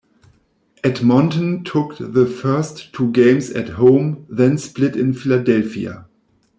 Edmonton took the first two games at home, then split in Philadelphia.